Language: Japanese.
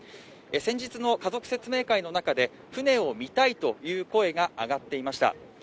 先日の家族説明会の中で船を見たいという声が上がっていました。